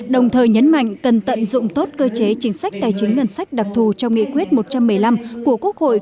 đồng thời nhấn mạnh cần tận dụng tốt cơ chế chính sách tài chính ngân sách đặc thù trong nghị quyết một trăm một mươi năm của quốc hội